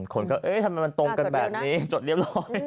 คนก็เอ๊ะทำไมมันตรงกันแบบนี้จดเรียบร้อย